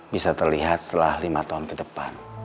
bisa terlihat setelah lima tahun ke depan